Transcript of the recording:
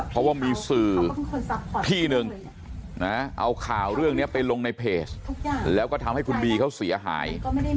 เพราะว่ามีสื่อที่หนึ่งนะเอาข่าวเรื่องนี้ไปลงในเพจแล้วก็ทำให้คุณบีเขาเสียหาย